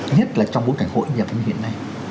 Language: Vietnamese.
nhất là trong bối cảnh hội nhập như hiện nay